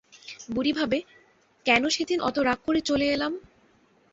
বুড়ি ভাবে, কেন সেদিন অত রাগ করে চলে এলাম?